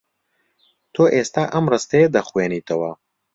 تۆ ئێستا ئەم ڕستەیە دەخوێنیتەوە.